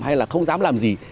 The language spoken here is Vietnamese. hay là không dám làm gì